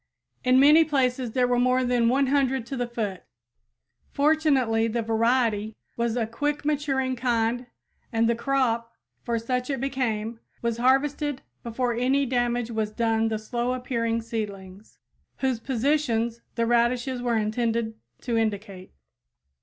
In many places there were more than 100 to the foot! Fortunately the variety was a quick maturing kind and the crop, for such it became, was harvested before any damage was done the slow appearing seedlings, whose positions the radishes were intended to indicate.